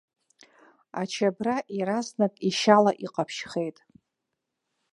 Ачабра еразнак ишьала иҟаԥшьхеит.